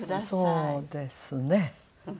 そうですね。